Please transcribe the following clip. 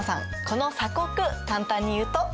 この鎖国簡単に言うと？